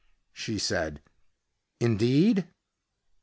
She said, "Indeed?"